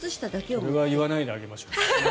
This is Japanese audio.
それは言わないであげましょう。